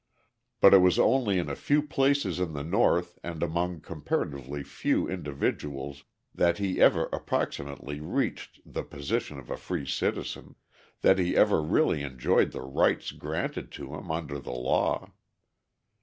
But it was only in a few places in the North and among comparatively few individuals that he ever approximately reached the position of a free citizen, that he ever really enjoyed the rights granted to him under the law.